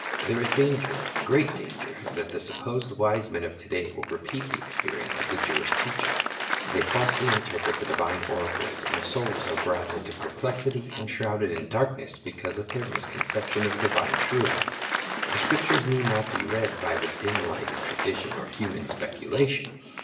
There is danger, great danger, that the supposed wise men of to day will repeat the experience of the Jewish teachers. They falsely inteipret the divine 1 Mark 12: 24 '■^Marky:? Hidden Treasure III oracles, and souls are brought into perplexity and shrouded in darkness because of their misconception of divine truth. The Scriptures need not be read by the dim light of tradition or human speculation.